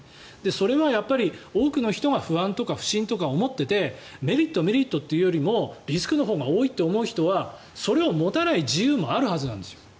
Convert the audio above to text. それは多くの人が不安とか不信を持っていてメリットというよりもリスクのほうが多いと思う人はそれを持たない自由もあるはずなんですよ。